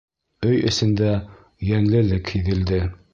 Өй эсендә йәнлелек һиҙелде.